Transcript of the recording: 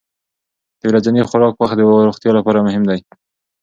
د ورځني خوراک وخت د روغتیا لپاره مهم دی.